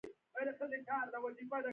حکومتي ظرفیت او وړتیا لوړول و.